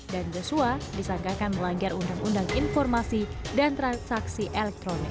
dan joshua disangkakan melanggar undang undang informasi dan transaksi elektronik